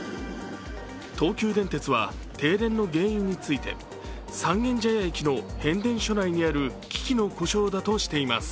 東急電鉄は停電の原因について三軒茶屋駅の変電所内にある機器の故障だとしています。